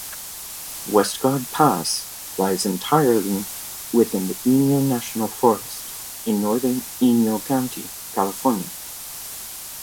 Westgard Pass lies entirely within the Inyo National Forest, in northern Inyo County, California.